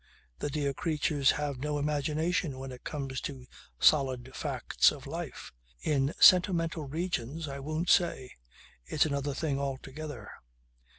The dear creatures have no imagination when it comes to solid facts of life. In sentimental regions I won't say. It's another thing altogether.